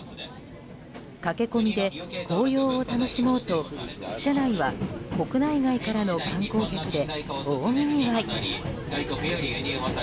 駆け込みで紅葉を楽しもうと車内は国内外からの観光客で大にぎわい。